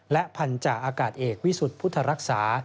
และพันธาอากาศเอกวิสุทธิ์พุทธรักษา